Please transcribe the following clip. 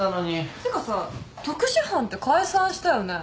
てかさ特殊班って解散したよね？